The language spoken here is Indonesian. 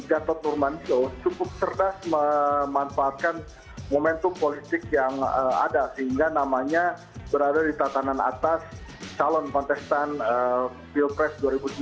gatot nurmantio cukup cerdas memanfaatkan momentum politik yang ada sehingga namanya berada di tatanan atas calon kontestan pilpres dua ribu sembilan belas